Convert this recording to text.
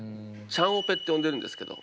チャンオペって呼んでるんですけど。